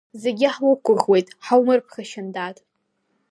Зегьы ҳуқәгәыӷуеит, ҳаумырԥхашьан, дад!